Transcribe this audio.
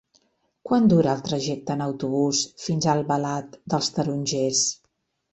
Quant dura el trajecte en autobús fins a Albalat dels Tarongers?